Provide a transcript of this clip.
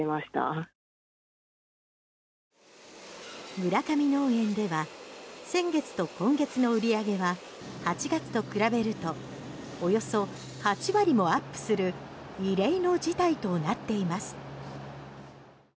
村上農園では先月と今月の売り上げは８月と比べるとおよそ８割もアップする異例の事態となっています。